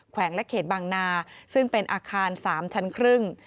วงและเขตบางนาซึ่งเป็นอาคาร๓ชั้นครึ่ง